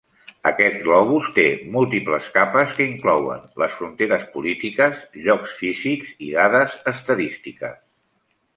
Aquest globus té múltiples capes que inclouen les fronteres polítiques, llocs físics i dades estadístiques.